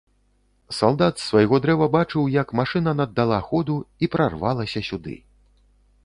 Салдат з свайго дрэва бачыў, як машына наддала ходу і прарвалася сюды.